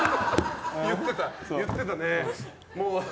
言ってたね。